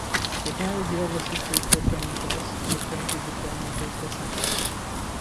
He attended the Overseas Political Training Course and obtained his Diploma in Political Science.